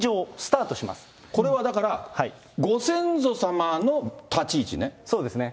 これはだから、ご先祖様の立そうですね。